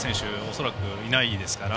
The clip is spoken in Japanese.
恐らくいないですから。